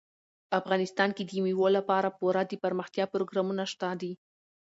افغانستان کې د مېوو لپاره پوره دپرمختیا پروګرامونه شته دي.